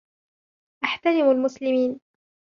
أحترم المسلمين.